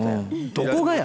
どこがや？